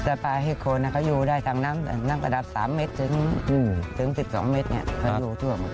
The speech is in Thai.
ถ้าปลาเห็ดโคนเค้าอยู่ได้นั้นกระดับ๓เมตรถึง๑๒เมตรเค้ายู่ทั่วหมด